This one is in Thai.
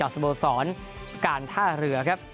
สโมสรการท่าเรือครับ